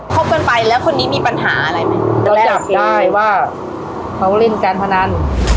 บกันไปแล้วคนนี้มีปัญหาอะไรไหมเราจับได้ว่าเขาเล่นการพนัน